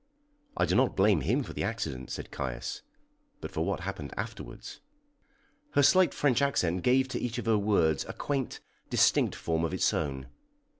"I do not blame him for the accident," said Caius, "but for what happened afterwards." Her slight French accent gave to each of her words a quaint, distinct form of its own.